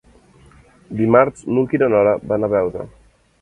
Dimarts n'Hug i na Nora van a Beuda.